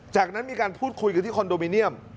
จากนั้นมีการพูดคุยกันที่คอนโดมิเนียม